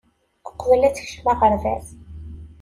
Uqbel ad tekcem aɣerbaz.